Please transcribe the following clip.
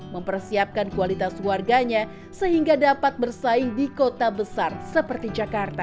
mempersiapkan kualitas warganya sehingga dapat bersaing di kota besar seperti jakarta